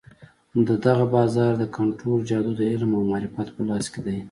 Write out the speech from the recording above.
د دغه بازار د کنترول جادو د علم او معرفت په لاس کې دی.